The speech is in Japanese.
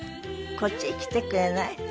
こっちへ来てくれない？